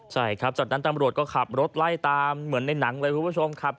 ใช่ครับจากนั้นตำรวจก็ขับรถไล่ตามเหมือนในหนังเลยคุณผู้ชมครับ